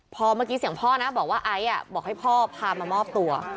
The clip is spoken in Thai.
พอเมื่อกี้เสียงพ่อนะบอกว่าไอซ์บอกให้พ่อพามามอบตัว